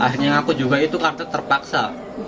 akhirnya ngaku juga itu karena terpaksa